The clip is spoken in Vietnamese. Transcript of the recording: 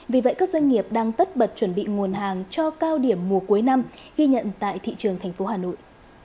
vì vậy các doanh nghiệp đang tất bật chuẩn bị nguồn hàng cho cao điểm mùa cuối năm ghi nhận tại thị trường thành phố hà nội